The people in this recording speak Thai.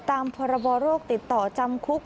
ตามพรบโรคติดต่อจำคุก